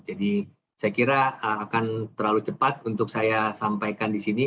jadi saya kira akan terlalu cepat untuk saya sampaikan di sini